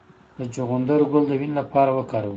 د چغندر ګل د وینې لپاره وکاروئ